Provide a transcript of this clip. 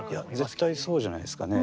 絶対そうじゃないですかね。